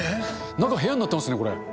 中、部屋になってますね、これ。